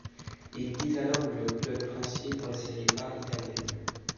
Il quitte alors le club princier pour la Série A italienne.